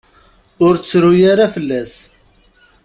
Ur ttru ara fell-as.